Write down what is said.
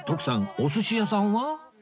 お寿司屋さんは？